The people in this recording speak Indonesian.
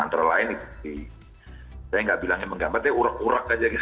antara lain saya nggak bilangnya menggambar tapi urek urek aja